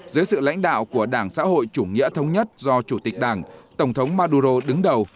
dưới sự lãnh đạo của đảng xã hội chủ nghĩa thống nhất do chủ tịch đảng tổng thống maduro đứng đầu